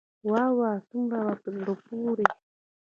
واه واه څومره په زړه پوري.